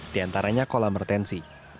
diantaranya kolam retensi